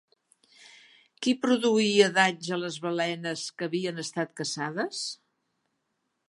Qui produïa danys a les balenes que havien estat caçades?